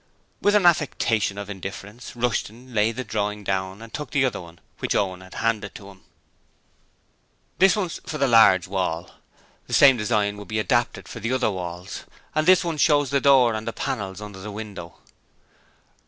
With an affectation of indifference, Rushton laid the drawing down and took the other which Owen handed to him. 'This is for the large wall. The same design would be adapted for the other walls; and this one shows the door and the panels under the window.'